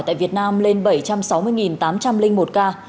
tại việt nam lên bảy trăm sáu mươi tám trăm linh một ca